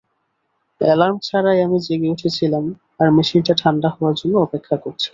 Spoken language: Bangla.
এলার্ম ছাড়াই আমি জেগে উঠেছিলাম আর মেশিনটা ঠান্ডা হওয়ার জন্য অপেক্ষা করছিলাম।